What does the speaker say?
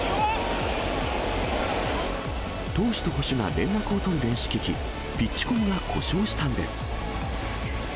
投手と捕手が連絡を取る電子機器、ピッチコムが故障したんです。